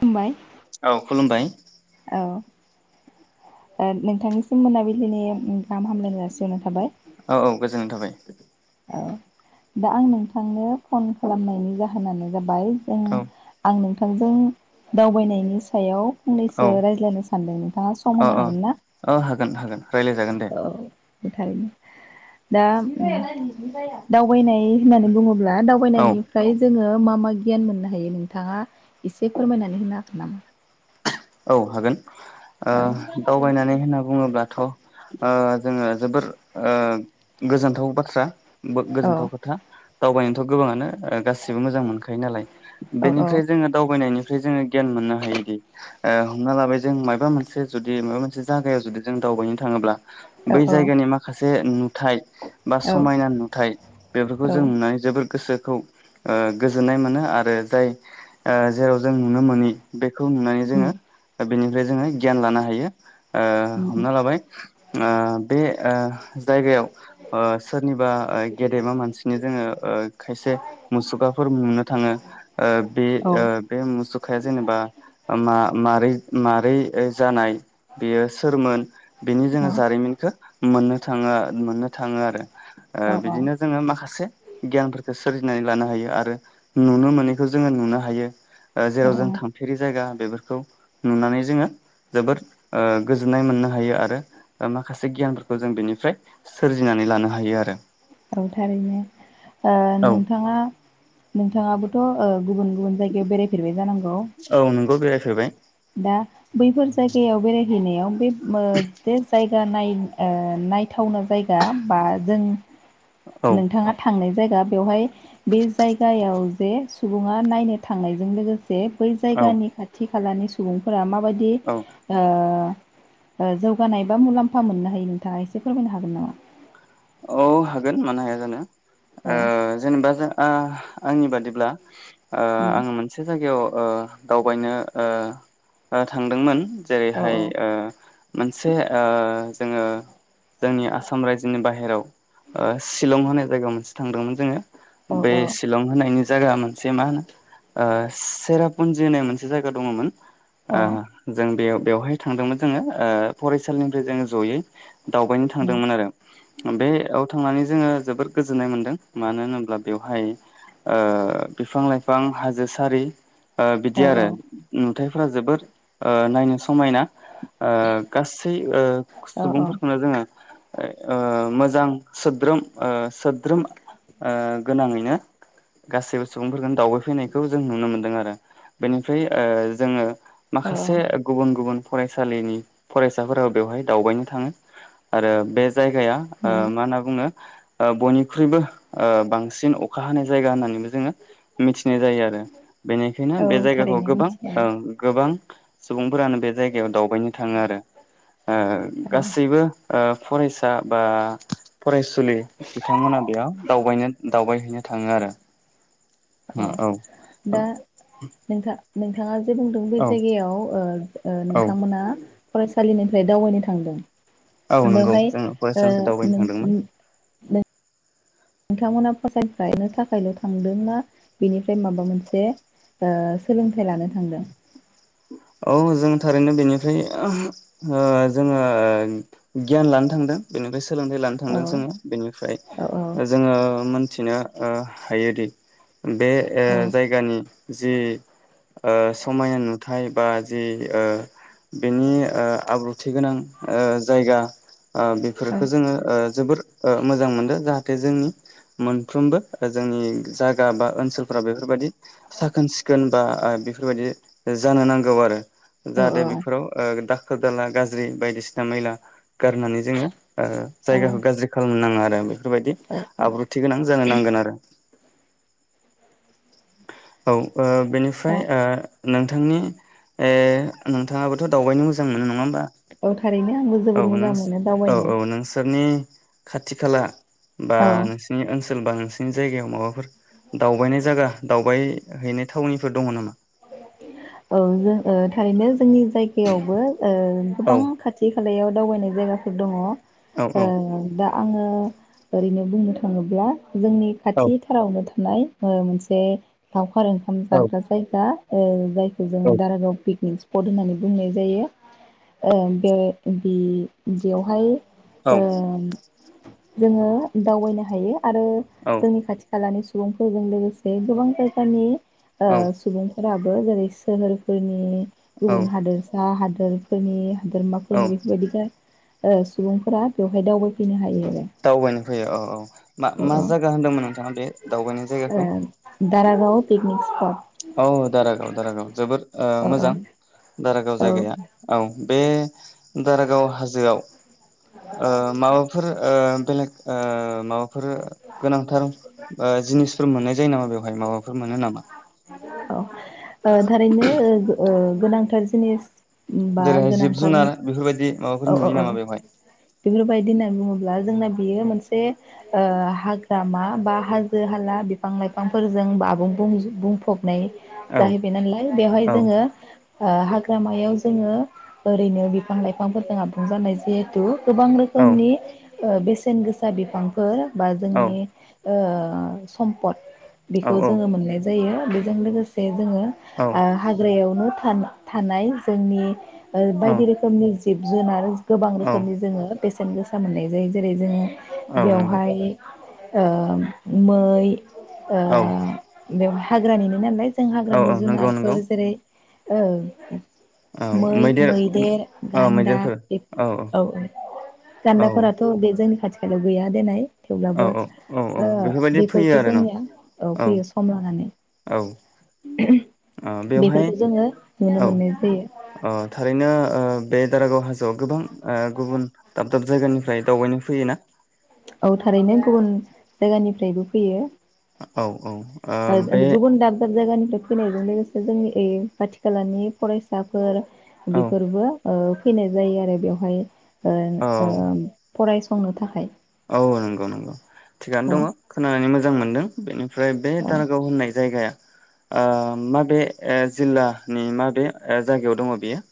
खुमबाय औ खुलुमबाय। औ। ओ नोंथांनिसिम मोनाबिलिनि गाहाम हामलायनाय जासिहरनाय थाबाय। औ औ गोजोननाय थाबाय। ओ दा आं नोंथांनो फन खालामनायनि जाहोनानो जाबाय- ओ औ आं नों नोंथांजों दावबायनायनि सायाव औ फंनैसो रायज्लायनो सानदों नोंथाङा सम होनो औ हागोन ना? औ हागोन हागोन रायज्लायजागोन दे औ थारैनो दा उम दावबायनायथ' नाय होननानै बुङोब्ला औ दावबायनायनिफ्राय जोङो मा मा गियान मोननो हायो नोंथाङा एसे फोरमायनानै होनो हागोन नामा? औ हागोन। ओ औ दावबायनानै होनना बुङोब्लाथ' ओ जोङो जोबोर ओ गोजोनथाव बाथ्रा। बो औ गोजोनथाव खोथा। दावबायनोथ गोबाङानो ओ गासिबो मोजां मोनखायो नालाय औ औ बेनिफ्राय जोङो दावबायनायनि फ्राय जोङो गियान मोननो हायोदि। ओ हमना लाबाय जों माबा मोनसे जुदि माबा मोनसे जागायाव जुदि जों दावबायनो थाङोब्ला। औ बै जायगानि माखासे उम थाय बा औ समायना नुथाय बेफोरखौ जों नुनानै जोबोद गोसो खौ ओ गोजोननाय मोनो आरो जाय ओ जेराव जों नुनो मोनि बेखौ नुनानै जोङो दा बेनिफ्राय जोङो गियान लानो हायो। ओ हमना लाबाय ओ बे ओ जायगायाव ओ सोरनिबा ओ गेदेमा मानसिनि जोङो ओ खायसे मुसुखाफोर मोननो थाङो ओ बे औ ओ बे मुसुखाया जेनेबा मा मारै ओ जानाय। बेयो सोरमोन बेनि जोङो जारिमिनखो मोननो थाङो मोननो थाङो आरो। औ ओ औ बिदिनो जोङो माखासे गियानफोरखो सोरजिनानै लानो हायो आरो नुनो मोनैखौ जोङो नुनो हायो। ओ औ जेराव जों थांफेरि जायगा होन बेफोरखौ नुनानै जोङो जोबोर ओ गोजोननाय मोननो हायो आरो माखासे गियानफोरखौ जों बेनिफ्राय सोरजिनानै लानो हायो आरो औ थारैनो ओ औ नोंथाङा नोंथाङाबो थ ओ गुबुन गुबुन जायगायाव बेरायफेरबाय जानांगौ। फेरबाय। दा बैफोर जायगायाव बेरायहैनायाव बे मो जे जाय गानाय ओ नायथावना जायगा बा जों औ नोंथाङा थांनाय जायगा बेवहाय बे जायगायाव जे सुबुङा नायनो थांनायजों लोगो से बै औ जायगानि खाथि खालानि सुबुंफोरा मा माबायदि औ अ अ जौगानाय बा मुलाम्फा मोननो हायो नोंथाङा एसे फोरमायनो हागोन नामा औ हागोन मानो हाया जानो। औ अ जेनेबा जों अ आंनि बादिब्ला अ उम आं मोनसे जायगायाव अ दावबायनो अ थांदोंमोन। औ जेरैहाय अ मोनसे अ जोङो जोंनि आसाम रायजोनि बाहेर अ सिलं होननाय जायगा मोनसे थांदोंमोन जोङो। औ बे शिलं होननायनि जायगा मोनसे मा होनो अ सेरापुन्जि होननाय मोनसे जायगा दङमोन। औ अ जों बेयाव बेवहाय थांदोंमोन जोङो अ फरायसालिनिफ्राय जोङो जयै अ दावबायनो उम थांदोंमोन आरो। अम बे आव थांनानै जोङो जोबोद गोजोननाय मोन्दों मानो होनोब्ला बेवहाय ओ बिफां लाइफां हाजो सारि अ औ बिदि औ आरो अम हाथायफोरा जोबोद अ नायनो समायना अ गासै औ औ सुबुंफोरखौनो जोङो अ अ सोद्रोम सोद्रोम गोनाङैनो गासैबो सुबुंफोरखौ दावबाय फैनायखौ जों नुनो मोनदों आरो बेनिफ्राय अ जोङो औ माखासे गुबुन गुबुन फरायसालिनि फरायसा फोराबो बेवहाय दावबायनो थाङो आरो बे जायगाया अ उम मा होनना बुङो। अ बयनिख्रुइबो अ बांसिन अखा हानाय जायगा होननानै जोङो मिथिनाय जायो आरो बेनिखायनो औ बे जायगाखौ थारैनो गोबां मिथिखागौ गोबां। सुबुं फोरानो बे जायगायाव दावबायनो थाङो आरो अ औ गासैबो अ फरायसा बा फरायसुलि बिथांमोना बेयाव दावबायनो दावबायहैनो थाङो आरो। औ दा नोंथां नोंथाङा जे बुंदों बै औ जायगायाव ओ अ औ नोंथांमोना। फरायसालिनिफ्राय दावबायनो थांदों । औ नंगौ जोङो फरायसालिनिफ्राय दावबायनो नों थांदोंमोन। नोंथांमोना फसायफानो थाखायल' थांदों ना बिनिफ्राय माबा मोनसे सोलोंथाइ लानो थांदों । औ जों थारैनो बेनिफ्राय जोङो गियान लानो थांदों । बेनिफ्राय सोलोंथाइ लानो औ थांदों जोङो बेनिफ्राय औ औ जोङो मिथिनो हायोदि बे औ जायगानि जि ओ समायना नु थाइ बा जि ओ बेनि आब्रुथि गोनां जायगा बेफोरफोरखो जोङो जोबोर मोजां मोनदों जाहाथे जोंनि मोनफ्रबो जोंनि जा बा ओनसोलफोरा बेफोरबायदि साखोन सिखोन बा बेफोरबादि जानो नांगौ आरो औ जाहाथे बेफोराव ओ दाखोर दाला गाज्रि बायदिसिना मैला गारनानै जोङो ओ औ जायगाखौ गाज्रि खालामनो नाङा आरो । [unintelligible] बेफोरबायदि औ आब्रुथि गोनां जानो नांगोन आरो । औ । औ बेनिफ्राय ओ नोंथांनि नोंथाङाबोथ' दावबायनो मोजां मोनो नङा होमबा । औ थारैनो आंबो जोबोर मोजां मोनो औ दावबायनो औ । नोंसोरनि खाथि खाला बा नोंसोरनि ओनसो [inaudible] नोंसिनि जायगायाव माबाफोर दावबायनाय जागा दावबाय हैैनाय थावनिफोर दङ नामा? औ जों थारैनो जोंनि जायगायावबो ओ औ गोबां खाथि खालायाव दावबायनाय जायगाफोर दङ । औ औ आ दा आङो ओरैनो बुंनो थाङोब्ला जोंनि औ खाथिथारावनो नाय ओ मोनसे दाव [unintelligible] ओंखाम औ जाग्रा जायगा आ ओ जाय जोङो दारागाव पिकनिक स पद होननानै बुंनाय जायो ओ बे बि बेवहाय औ ओम जोङो दावबायनो हायो आरो जोंनि खाथि खालानि सु बुंफोरजों लोगोसे गोबां जायगानि ओ औ फोराबो जेरै सोहोरफोरनि औ गुबुन हादोरसा हाद फोर फोरनि हादोरमाफोरनि औ बेफोरबायदिनो ओ सुबुंफोरा बेवहाय दावबायफैनो हायो आरो दावबायनो फैयो औ औ मा मा औ औ जागा होनदोंमोन नोंथाङा बे दावबायनाय जायगाखौ? ओ दारागाव पिकनिक स्पट। औ दारागाव दारागाव जोबोर ओ औ औ मोजां। दारागाव औ जायगाया औ बे दारागाव हाजोआव ओ माबाफोर ओ बेलेग ओ माबा फोर गोनांथार ओ जिनिसफोर मोननाय जायो नामा बेव हाय माबाफोर मोनो नामा? औ ओ थारैनो ओ गोनांथार जिनिस बा जेरैहाय जिब गोनांथार जुनार बेफोरबायदि माबाफोर औ औ नुयो औ नामा बेवहाय? बेफोरबायदि होन्ना बुङोब जोंना बियो मोनसे हाग्रामा बा हाजो हाला बिफां लाइफांफोरजों आबुं बुंफबनाय औ जाहैबाय नालाय बेवहाय औ जोङो ओ हाग्रामायाव जोङो ओरैनो बिफां लाइफ फांफोरजों आबुं जानाय जिहेथु गोबां औ रोखोमनि ओ बेसेन गोसा बिफांफोर बा औ जोंनि ओ सम्पद औ बेखौ जोंङो मोननाय जायो। बेजों लोगोसे जोंङो ओ हाग्रायाव नो थाना थानाय जोंनि औ बायदि रोखोमनि जिब जुनार गोबां औ रोखोमनि जोंङो बेसेन गोसा मोननाय जायो जेरै जोंङो औ नंगौ बेवहाय ओ मै ओ औ बेयाव हाग्रानिनो नालाय जों औ हाग्रानि औ नंगौ नंगौ जुनारफोर जेरै औ मै मैदेर गान्दा बे औ औ गान्दाफोराथ' बे जोंनि खाथि खालायाव गैया देनाय औ थेवब्लाबो औ औ ओ बेफोरबायदि फैयो बेफोरखौ आरो न' जोंनिया औ फैयो सम औ लानानै ओ बेवहाय बेफोरखौ जोंङो नुनो औ मोननाय जायो। अ थारैनो ओ बे दारागाव हाजोआव गोबां ओ गुबुन दाब दाब जायगानिफ्राय दावबायनो फैयोना? औ थारैनो गुबुन जायगानिफ्रायबो फैयो। औ औ ओ बे गुबुन दाब दाब जायगानिफाय फैनायजों लोगोसे जोंनि ओ खाथि खालानि फरायसाफोर औ बेफोरबो ओ फैनाय जायो आरो बेवहाय। ओ औ ओ फरायसंनो थाखाय। औ नंगौ नंगौ थिगानो दंङ औ खोनानै मोज जां मोनदों बेनि फ्राय बे औ दारगाव होननाय जायगाया ओ माबे जिल्लानि माबे जायगायाव दंङ बेयो?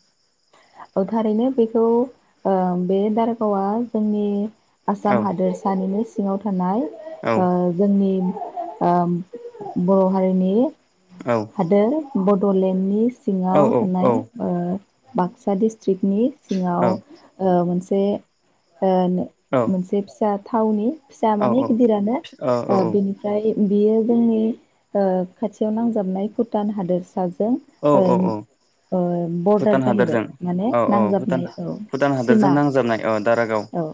थारैनो बेखौ ओ बे दारागावा जोंनि औ आसाम हादोरसानिनो सि सिङाव थानाय औ ओ जोंनि। ओम बर' हारि नि। औ हादोर। बड'लेण्डनि औ सिङाव थानाय औ औ ओ बाक्सा डिस्ट्रिक्टनि सिङाव ओ मोनसे से ओ मोनसे फिसा थावनि। फिसा माने गिदिरानो औ बिनिफ्राय बियो जोंनि ओ खाथियाव नांजाबनाय भुटान हादोर सा जों औ ओ औ औ ओ बरदार भुटान हादोरजों जाहैबाय माने औ औ भुटान नांजाबनाय औ भुटान हादोरजों सिमा नांजाबनाय औ दारागाव औ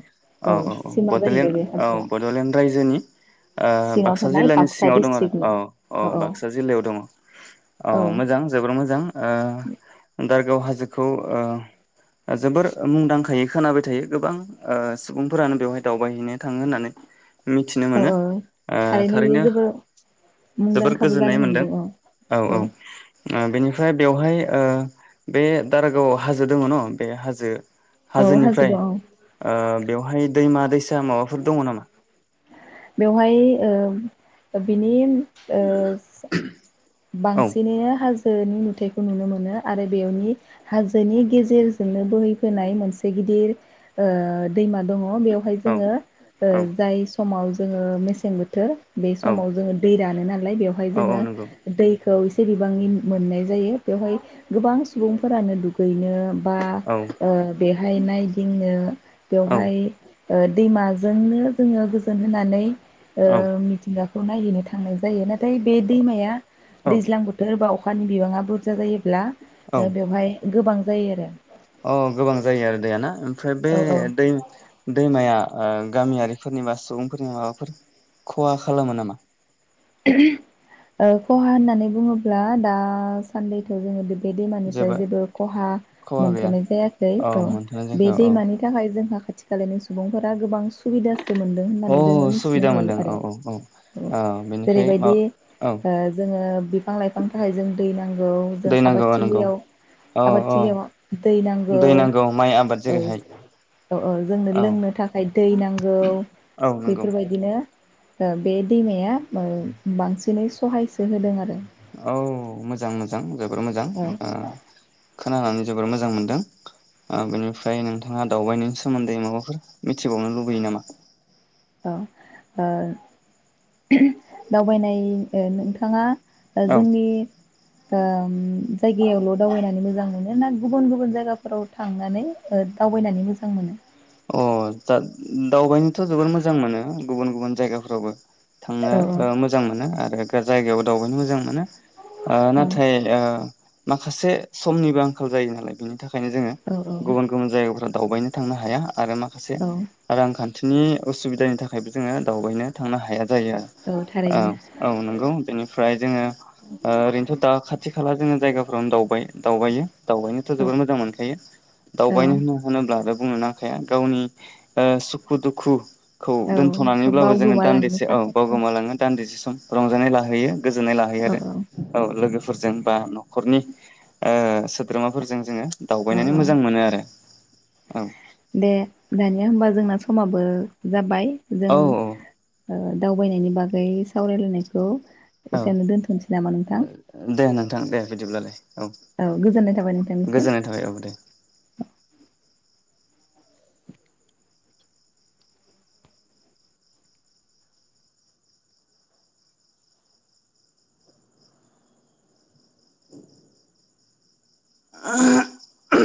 औ औ सिमा बडलेण्ड जाहैबाय बे औ हाजोआ बड'लेण्ड रायजोनि ओ सिङाव बाक्सा थानाय जिल्लानि बाक्सा सिङाव दं आरो डिस्ट्रिक्टनि औ औ बाक्सा जिल्लायाव दङ औ मोजां। ओ दारागाव हाजोखौ ओ जोबोर मुंदांखायै खोनाबाय थायो गोबां ओ सुबुंफोरानो बेवहाय दावबायहैनो थाङो होननानै मिथिनो औ मोनो ओ बियो थारैनो जोबोर जोबोर मुंदांखाबो जानो गोजोननाय हमदों मोनदों औ औ औ। ओ बेनिफ्राय बेवहाय ओ बे दारागावआव हाजो दङ न बे हाजो औ हाजो हाजोनिफ्राय दं औ ओ बेवहाय दैमा दैसा माबाफोर दङ नामा? बेवहाय ओ बिनि ओ औ बांसिनैनो हाजोनि नुथाय खौ नुनो मोनो आरो बेयावनि हाजोनि गेजेरजोंनो बोहैफोनाय मोनसे ओ गिदिर दैमा दङ बेयावहाय औ जोङो ओ जाय समाव जोङो मेसें बोथोर बे औ समाव जोङो दै रान नालाय बेवहाय औ औ जोङो नंगौ दैखौ एसे बिबांनि मोननाय जायो बेवहाय गोबां सुबुंफोरानो दुगैनो बा औ ओ बेहाय नायदिंनो बेवहाय ओ दैमाजोंनो जोङो गोजोन होनानै ओ औ मिथिंगा खौ नायहैनो थांनाय जायो नाथाय बे दैमाया औ दैज्लां बोथोर बाव अखानि बिबाङा बुरजा जायोब्ला ओ बेवहाय गोबां जायो आरो अ गोबां जायो आरो दैयाना फ्राय बे औ औ दै दैमाया ओम गामियारिफोरनि बा सुबुंफोरनि माबाफोर खहा खालामो नामा? ओ खहा होननानै बुङोब्ला दा सान्दैथ' जोङो बेब बे दैमानिफ्राय जेबो खहा खहा गैया मोनथ'नाय जायाखै औ मोनथाम बे जायगा औ दैमानि थाखाय जोंहा खाथिखालानि सुबुंफोरा गोबां सुबिदास अ सुबिदा मोनदों औ औ औ ओ औ बेनि जेरैबायदि ओ जोङो बिफां लाइफांनि थाखाय जों दै नां औ जों दै नांगौ औ नंगौ आबादलियाव औ औ आबादथिलियाव दै नांगौ दै माइ आबाद औ जेरैहाय ओ ओ जोंनो औ लोंनो थाखाय दै नांगौ औ नंगौ बेफोरबायदिनो ओ बे दैमाया ओ बांसिनै सहायसो होदों आरो औ मोजां मोजां जोबोर मोजां औ ओ खोनानानै जोबोर मोजां मोनदों आ बेनिफ्राय नोंथाङा दावबायनि सोमोन्दै माबाफोर मिथिबावनो लुबैयो नामा? औ ओ दावबायनाय ओ नोंथाङा ओ औ जोंनि ओम जायगायावल' दावबायनानै मोजां मोनो ना गुबुन गुबुन जायगाफोराव थांनानै ओ दावबायनानै मोजां मोनो? अ दाद दावबायनोथ' जोबोद मोजां मोनो। गुबुन गुबुन जायगाफोरावबो थांनो औ ओ मोजां मोनो आरो जायगायाव दावबायनो मोजां मोनो। आ औ नाथाय आ माखासे समनिबो आंखाल जायो नालाय बेनो थाखायनो जोङो औ गुबुन गुबुन [unintelligible] दावबायनो थांनो हाया आरो माखासे औ रां खान खान्थिनि असुबिदानि थाखायबो जोङो दावबायनो थांनो हाया जायो औ आ थारैनो औ नोंगौ बेनिफ्राय जोङो ओ ओरैनोथ दा खाथि खाला जोङो जायगाफ्रावनो दावबाय दावबायो दावबायनोथ औ जोबोर मोजां मोनखायो औ दावबायनो होन होनोब्ला बुङो ना खाया गावनि ओ सुखु दुखुखौ औ दोनथनानैब्लाबो जोङो बावगोमालांनो दान्दिसे औ थाखाय बावगोमालाङो दान्दिसे रंजानाय लाहैयो गोजोननाय लाहैयो आरो औ औ लोगोफो फोरजों बा न नखरनि ओ सोद्रोमाफोरजों जोङो औ दावबायनानै औ मोजां मोनो आरो औ दे दानिया होमबा जोंना समाबो जाबाय जों औ ओ दावबायनायनि बागै सावरायलायनायखौ औ एसेआवनो दोनथनोसै नामा नोंथां थां दे बिदिब्लालाय औ गोजोननाय थाबाय नोंथांनिसिम गोजोननाय थाबाय औ दे [inaudible]